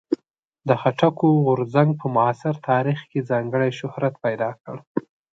د خټکو غورځنګ په معاصر تاریخ کې ځانګړی شهرت پیدا کړ.